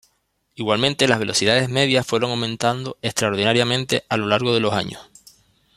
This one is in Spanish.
Igualmente las velocidades medias fueron aumentando extraordinariamente a lo largo de los años.